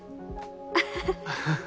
アハハ。